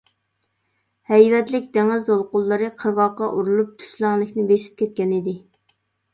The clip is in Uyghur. ھەيۋەتلىك دېڭىز دولقۇنلىرى قىرغاققا ئۇرۇلۇپ تۈزلەڭلىكنى بېسىپ كەتكەنىدى.